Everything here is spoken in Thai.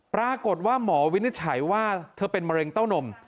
ปรากฏว่าหมอวินิจฉัยว่าเธอเป็นมะเร็งเต้านม